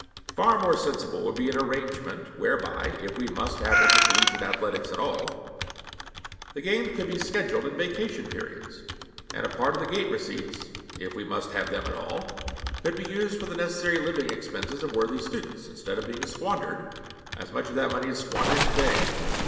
Far more sensible would be an arrangement whereby, if we must have intercollegiate athletics at all, the games could be scheduled in vacation periods, and a part of the gate receipts, if we must have them at all, could be used for the necessary living expenses of worthy students, instead of being squandered, as much of that money is squandered to day.